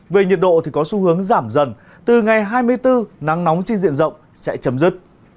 về nhiệt độ thì có xu hướng giảm dần từ ngày hai mươi bốn nắng nóng trên diện rộng sẽ chấm dứt